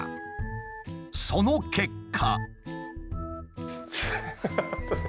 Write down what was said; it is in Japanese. その結果。